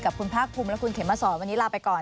กับคุณภาคภูมิและคุณเขมมาสอนวันนี้ลาไปก่อน